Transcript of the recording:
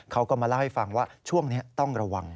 เขาก็มาเล่าให้ฟังว่าช่วงนี้ต้องระวัง